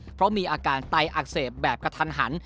เพราะมีอาการไตอักเสบแบบกระทันหัน